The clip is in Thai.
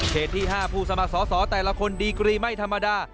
เขตที่๕ผู้สมศาสอแต่ละคนดีกรีไม่ธรรมดา